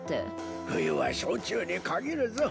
冬は焼酎にかぎるぞ。